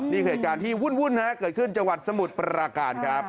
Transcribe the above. นี่คือตัวเป็นที่หุ้นเกิดขึ้นจังหวัดสมุทรปราการค์ครับ